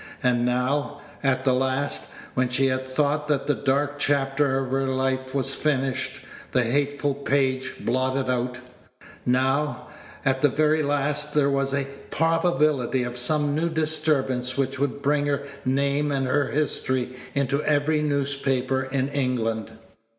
And now, at the last, when she had thought that the dark chapter of her life was finished, the hateful page blotted out now, at the very last, there was a probability of some new disturbance which would bring her name and her history into every newspaper in England.